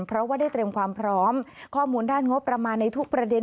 เพราะว่าได้เตรียมความพร้อมข้อมูลด้านงบประมาณในทุกประเด็น